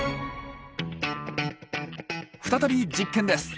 再び実験です。